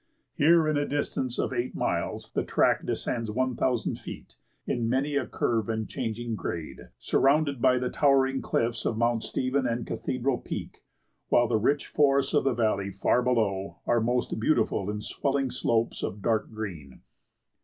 Here, in a distance of eight miles, the track descends 1000 feet, in many a curve and changing grade, surrounded by the towering cliffs of Mount Stephen and Cathedral Peak, while the rich forests of the valley far below are most beautiful in swelling slopes of dark green.